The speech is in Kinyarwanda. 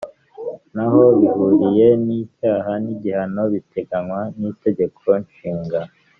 Ntaho bihuriye n’ icyaha n’ igihano biteganywa n’itegeko shinga